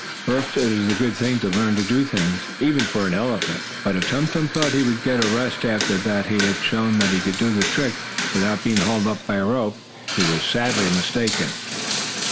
For it is a good thing to learn to do things, even for an elephant. But if Tum Tum thought he would get a rest after he had shown that he could do the trick without being hauled up by a rope, he was sadly mistaken.